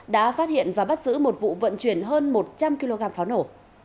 đã phát hiện và bắt giữ một vụ vận chuyển hơn một trăm linh kg pháo nổ